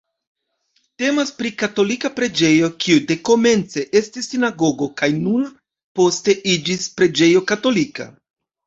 Temas pri katolika preĝejo, kiu dekomence estis sinagogo kaj nur poste iĝis preĝejo katolika.